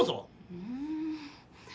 うん？